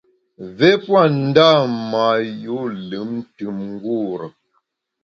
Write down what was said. Mvé pua ndâ mâ yû lùmntùm ngure.